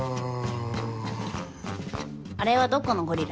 あれはどこのゴリラ？